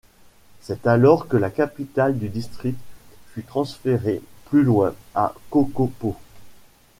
C'est alors que la capitale du district fut transférée plus loin, à Kokopo.